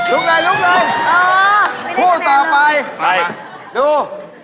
เลยลุกเลยคู่ต่อไปไปดู